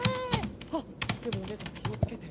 あっでもおねえさんきをつけて。